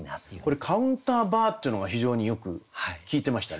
これ「カウンターバー」っていうのが非常によく効いてましたね。